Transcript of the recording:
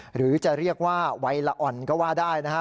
หรือจะเรียกว่าวัยละอ่อนก็ว่าได้นะฮะ